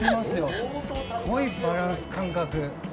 すごいバランス感覚。